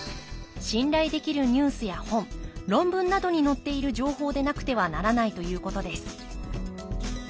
信頼できるニュースや本論文などに載っている情報でなくてはならないということです